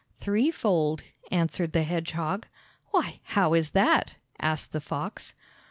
"Threefold," answered the hedgehog. "Why, how is that?" asked the fox.